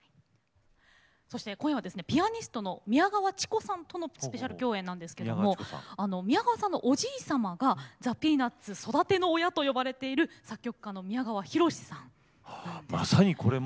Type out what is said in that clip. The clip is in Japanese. そして今夜はですねピアニストの宮川知子さんとのスペシャル共演なんですけども宮川さんのおじい様がザ・ピーナッツ育ての親と呼ばれている作曲家の宮川泰さんなんです。